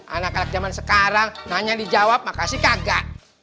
anak anak zaman sekarang nanya dijawab makasih kakak